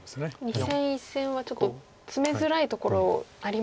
２線１線はちょっとツメづらいところありますもんね。